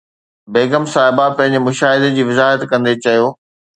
بيگم صاحبه پنهنجي مشاهدي جي وضاحت ڪندي چيو